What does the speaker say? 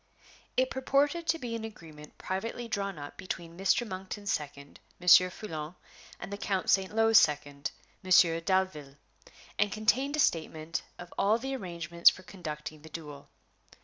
It purported to be an agreement privately drawn up between Mr. Monkton's second, Monsieur Foulon, and the Count St. Lo's second, Monsieur Dalville, and contained a statement of all the arrangements for conducting the duel.